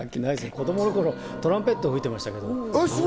子供の頃、トランペットは吹いてましたけど。